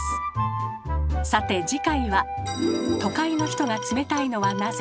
さて次回は「『都会の人が冷たい』のはなぜ？」